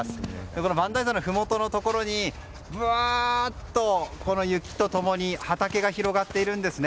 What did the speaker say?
この磐梯山のふもとのところにぶわーっと、雪と共に畑が広がっているんですね。